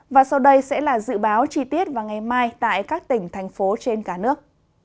và sau đây sẽ là dự báo chi tiết vào ngày mai tại các tỉnh thành phố trên cả nước